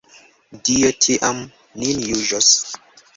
Dio tiam nin juĝos!